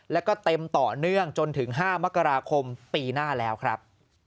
แล้วก็เต็มต่อเนื่องจนถึง๕มกราคมปีหน้าแล้วครับ